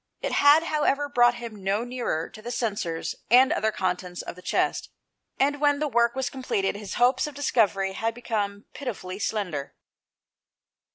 It had, however, brought him no nearer to the censers and other contents of the chest, and when the work was completed, his hopes of discovery had become pitifully slender.